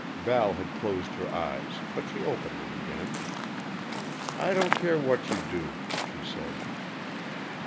Val had closed her eyes, but she opened them again. "I don't care what you do," she said.